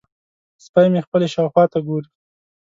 سپی مې خپلې شاوخوا ته ګوري.